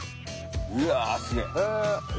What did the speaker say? うわすげえ。